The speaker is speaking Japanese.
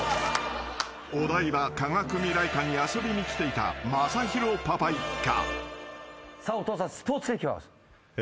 ［お台場科学未来館に遊びに来ていたまさひろパパ一家］